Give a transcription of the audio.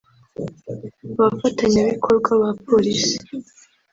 abafatanyabikorwa ba Polisi